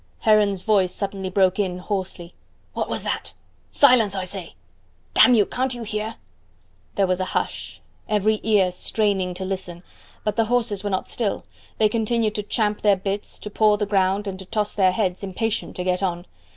Heron's voice suddenly broke in hoarsely. "What was that? Silence, I say. Damn you can't you hear?" There was a hush every ear straining to listen; but the horses were not still they continued to champ their bits, to paw the ground, and to toss their heads, impatient to get on.